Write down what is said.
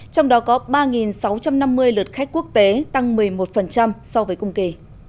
trong đó có ba sáu trăm năm mươi lượt khách quốc tế tăng một mươi một so với cùng kỳ